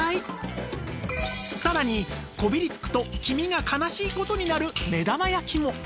さらにこびりつくと黄身が悲しい事になる目玉焼きも